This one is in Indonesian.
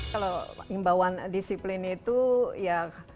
kalau imbauan disiplin itu ya